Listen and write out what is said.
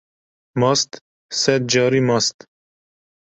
Mast sed carî mast.